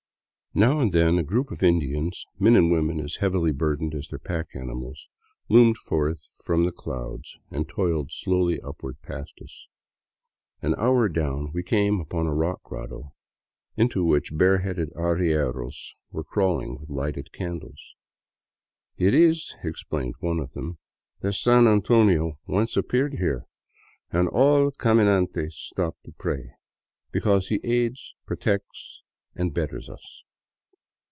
Now and then a group of Indians, men and women as heavily bur dened as their pack animals, loomed forth from the clouds and toiled slowly upward fast us. An hour down we came upon a rock grotto into which bareheaded arrieros were crawling with lighted candles. " It is," explained one of them, " that San Antonio once appeared here, and all caminantes stop to pray, because he aids, protects, and betters us."